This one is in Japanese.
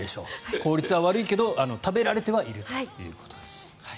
効率は悪いけど食べられてはいるということです。